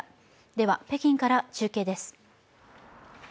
では北京から中継です。